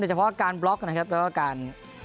เฉพาะการบล็อกนะครับแล้วก็การ